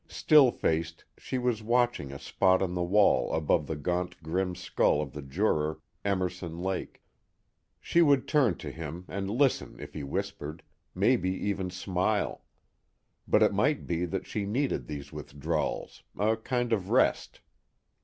Still faced, she was watching a spot on the wall above the gaunt grim skull of the juror Emerson Lake. She would turn to him and listen if he whispered, maybe even smile. But it might be that she needed those withdrawals, a kind of rest.